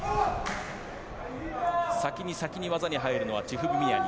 先に先に技に入るのはチフビミアニ。